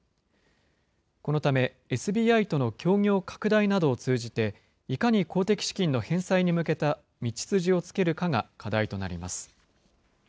このため、ＳＢＩとの協業拡大などを通じて、いかに公的資金の返済に向けた道筋をつけるかが課題となります。